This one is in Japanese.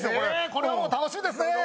これはもう楽しみですね！